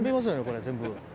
これ全部。